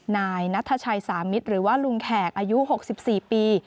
นายนัทชัยสามิตรหรือว่าลุงแขกอายุ๖๔ปี